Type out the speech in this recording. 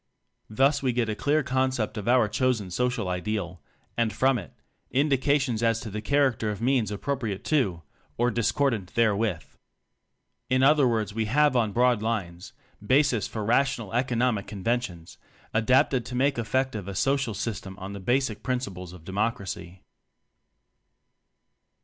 Thus we get a clear concept of our chosen social Ideal, and from it indi cations as to the character of means appropriate to or discordant therewith. In other words we have on broad lines, bases for rational economic conven tions, adapted to make effective a so cial system on the basic principles of Democracy.